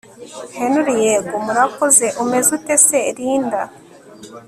Henry yego murakozeUmeze ute se Linda